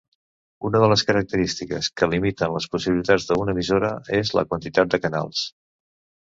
Una de les característiques que limiten les possibilitats d'una emissora és la quantitat de canals.